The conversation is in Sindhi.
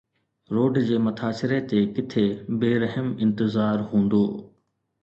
روڊ جي مٿاڇري تي ڪٿي بي رحم انتظار هوندو